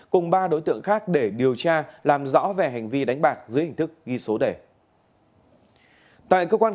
cùng ba đối tượng khác để điều tra làm rõ và giải quyết